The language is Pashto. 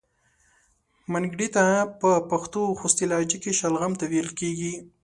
منګړیته په پښتو خوستی لهجه کې شلغم ته ویل کیږي.